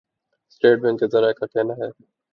state bank کے ذرائع کا کہناہے